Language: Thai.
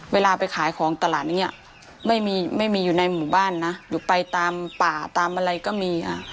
เวลาไปขายของตลาดอย่างนี้ไม่มีไม่มีอยู่ในหมู่บ้านนะหรือไปตามป่าตามอะไรก็มี